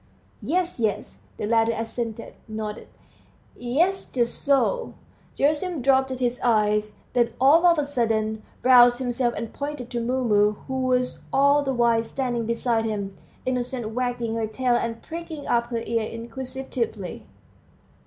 "Yes, yes," the latter assented, nodding; "yes, just so." Gerasim dropped his eyes, then all of a sudden roused himself and pointed to Mumu, who was all the while standing beside him, innocently wagging her tail and pricking up her ears inquisitively.